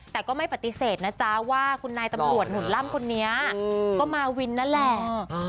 แต่ก็ไม่ปฏิเสธนะจ๊ะว่าคุณนายตำรวจหุ่นล่ำคนนี้ก็มาวินนั่นแหละ